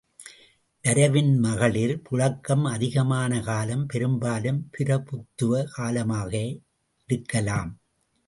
வரைவின் மகளிர் புழக்கம் அதிகமான காலம் பெரும்பாலும் பிரபுத்துவ காலமாக இருக்கலாம்.